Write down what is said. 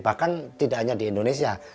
bahkan tidak hanya di indonesia